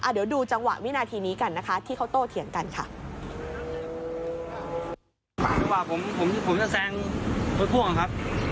เดี๋ยวดูจังหวะวินาทีนี้กันนะคะที่เขาโตเถียงกันค่ะ